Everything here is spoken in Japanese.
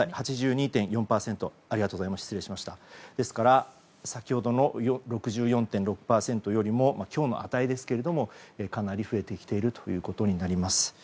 ですから先ほどの６４．６％よりも今日の値ですけれどもかなり増えてきているということになります。